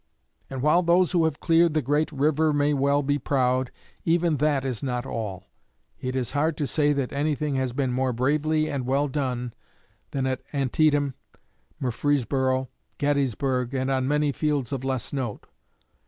And while those who have cleared the great river may well be proud, even that is not all. It is hard to say that anything has been more bravely and well done than at Antietam, Murfreesboro, Gettysburg, and on many fields of less note.